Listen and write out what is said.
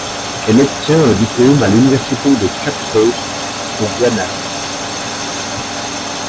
Elle obtient un diplôme à l'université de Cape Coast au Ghana.